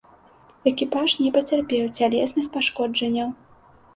Экіпаж не пацярпеў цялесных пашкоджанняў.